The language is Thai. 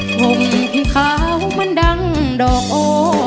ผมผิดขาวมันดังดอกอ้อ